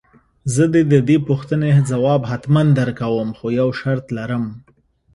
زه دې د دې پوښتنې ځواب حتماً درکوم خو يو شرط لرم.